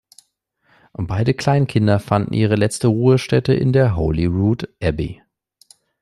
Beide Kleinkinder fanden ihre letzte Ruhestätte in der Holyrood Abbey.